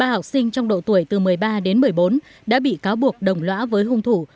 ba học sinh trong độ tuổi từ một mươi ba đến một mươi bốn đã bị cáo buộc đồng lõa với hung thủ